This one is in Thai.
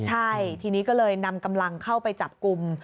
ใช่ทีนี้ก็เลยนำกำลังเข้าไปจับกลุ่ม